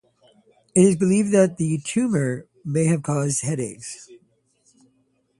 It is believed that this tumor may have caused headaches.